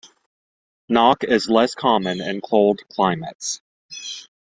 Knock is less common in cold climates.